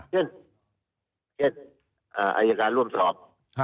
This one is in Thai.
เช่นอายการร่วมสอบ